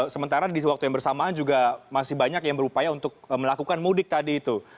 sementara di waktu yang bersamaan juga masih banyak yang berupaya untuk melakukan mudik tadi itu